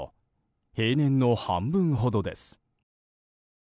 平年の半分ほどです。